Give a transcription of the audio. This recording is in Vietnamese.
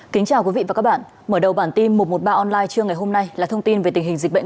kính chào quý vị và các bạn mở đầu bản tin một trăm một mươi ba online trưa ngày hôm nay là thông tin về tình hình dịch bệnh